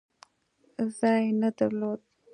ځای نه درلود.